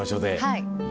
はい！